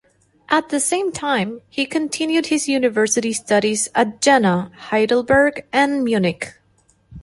At the same time he continued his university studies at Jena, Heidelberg and Munich.